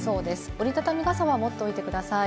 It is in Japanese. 折りたたみ傘は持っておいてください。